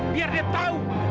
biar dia tahu